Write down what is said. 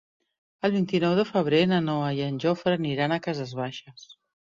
El vint-i-nou de febrer na Noa i en Jofre aniran a Cases Baixes.